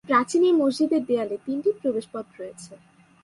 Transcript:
প্রাচীন এই মসজিদের দেয়ালে তিনটি প্রবেশ পথ রয়েছে।